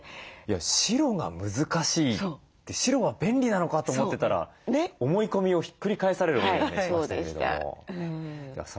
白が難しいって白は便利なのかと思ってたら思い込みをひっくり返される思いがしましたけども。